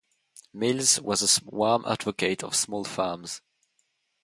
Mills was a warm advocate of small farms.